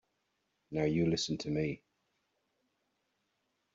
Now you listen to me.